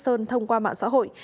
sơn thông qua mạng xã hội